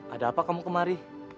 ada apa kamu kemari